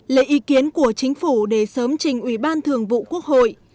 lấy ý kiến của chính phủ để sớm trình ủy ban thường vụ quốc hội